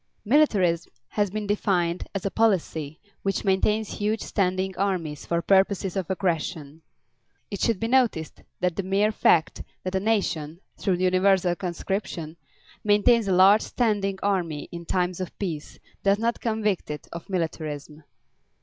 Militarism has been defined as "a policy which maintains huge standing armies for purposes of aggression." It should be noticed that the mere fact that a nation, through universal conscription, maintains a large standing army in times of peace does not convict it of militarism.